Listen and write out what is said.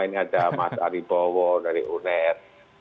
ini ada mas adi bowo dari uned